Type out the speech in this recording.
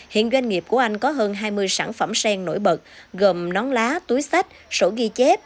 hiện doanh nghiệp của anh có hơn hai mươi sản phẩm sen nổi bật gồm nón lá túi sách sổ ghi chép